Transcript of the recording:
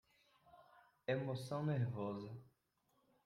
Emoção nervosa